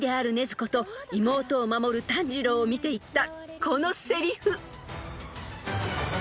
子と妹を守る炭治郎を見て言ったこのせりふ］